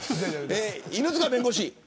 犬塚弁護士。